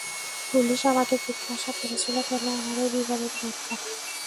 Police আমাকে জিজ্ঞাসা করেছিল কেন আমার এই বিবরণ দরকার।